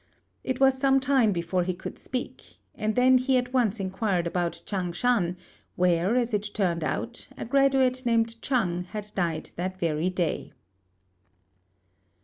It was some time before he could speak, and then he at once inquired about Ch'ang shan, where, as it turned out, a graduate named Chang had died that very day.